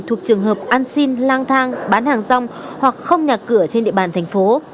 thuộc trường hợp an sinh lang thang bán hàng rong hoặc không nhà cửa trên địa bàn thành phố